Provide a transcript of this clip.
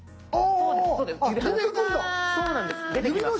そうなんです。